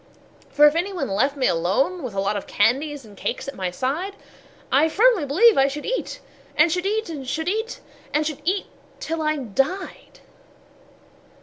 For if any one left me alone with a lot Of candies and cakes at my side, I firmly believe I should eat, and should eat, And should eat, and should eat, till I died.